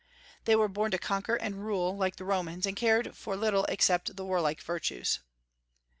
They were born to conquer and rule, like the Romans, and cared for little except the warlike virtues.